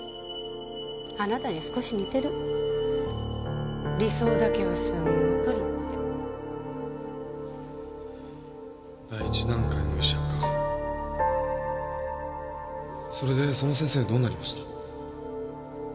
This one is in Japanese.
あなたに少し似てる理想だけはすごく立派で第一段階の医者かそれでその先生はどうなりました？